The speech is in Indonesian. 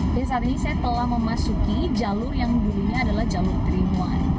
saat ini saya telah memasuki jalur yang dulunya adalah jalur tiga in satu